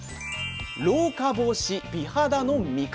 「老化防止美肌の味方！」。